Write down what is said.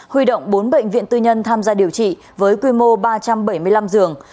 huy động bốn bệnh viện tư nhân tham gia điều trị với quy mô ba trăm bảy mươi năm giường